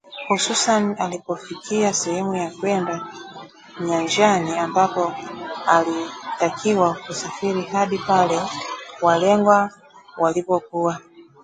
hususan alipofikia sehemu ya kwenda nyanjani ambapo alitakiwa kusafiri hadi pale walengwa walipokuwa